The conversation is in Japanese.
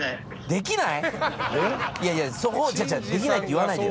できないって言わないでよ。